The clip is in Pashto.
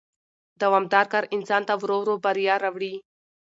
دوامدار کار انسان ته ورو ورو بریا راوړي